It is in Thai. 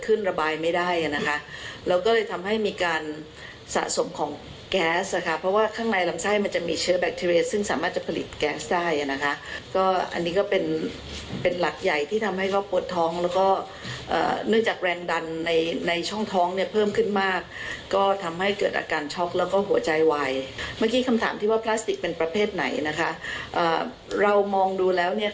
ระบายไม่ได้อ่ะนะคะเราก็เลยทำให้มีการสะสมของแก๊สนะคะเพราะว่าข้างในลำไส้มันจะมีเชื้อแบคทีเรียซึ่งสามารถจะผลิตแก๊สได้อ่ะนะคะก็อันนี้ก็เป็นเป็นหลักใหญ่ที่ทำให้เขาปวดท้องแล้วก็เนื่องจากแรงดันในในช่องท้องเนี่ยเพิ่มขึ้นมากก็ทำให้เกิดอาการช็อกแล้วก็หัวใจไวเมื่อกี้คำถามที่ว่าพลาสติกเป็นประเภทไหนนะคะอ่าเรามองดูแล้วเนี่ย